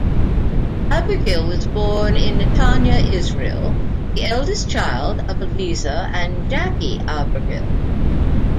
Abargil was born in Netanya, Israel, the eldest child of Aliza and Jackie Abargil.